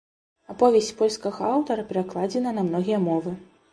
Аповесць польскага аўтара перакладзена на многія мовы.